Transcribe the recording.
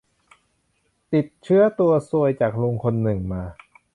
ติดเชื้อตัวซวยจากลุงคนหนึ่งมา